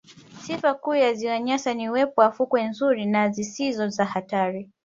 Sifa kuu ya ziwa Nyasa ni uwepo wa fukwe nzuri na zisizo za hatari